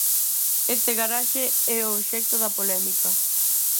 Este garaxe é o obxecto da polémica.